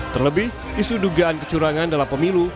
terlebih isu dugaan kecurangan dalam pemilu